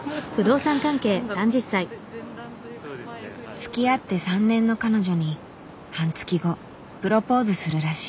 つきあって３年の彼女に半月後プロポーズするらしい。